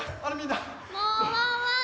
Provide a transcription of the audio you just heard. もうワンワン。